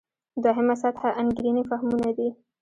دوهمه سطح انګېرنې فهمونه دي.